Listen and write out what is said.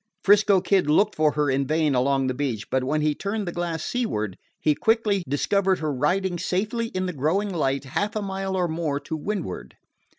'Frisco Kid looked for her in vain along the beach; but when he turned the glass seaward he quickly discovered her riding safely in the growing light, half a mile or more to windward.